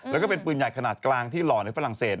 แล้วก็เป็นปืนใหญ่ขนาดกลางที่หล่อในฝรั่งเศส